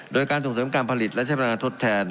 โดยการส่งเสริมการผลิตและใช้พลังงานทดแทน